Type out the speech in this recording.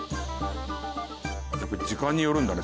やっぱり時間によるんだね。